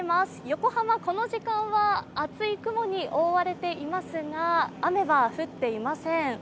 横浜、この時間は厚い雲に覆われていますが雨は降っていません。